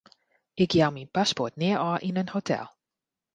Ik jou myn paspoart nea ôf yn in hotel.